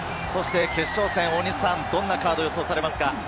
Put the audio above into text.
決勝戦、どんなカードが予想されますか？